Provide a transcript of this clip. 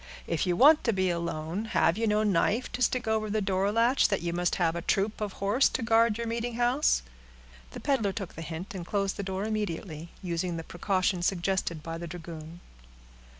If you want to be alone, have you no knife to stick over the door latch, that you must have a troop of horse to guard your meetinghouse?" The peddler took the hint, and closed the door immediately, using the precaution suggested by the dragoon.